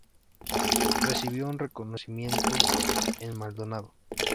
Recibió un reconocimiento en Maldonado.